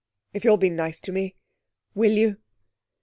If you'll be nice to me. Will you?'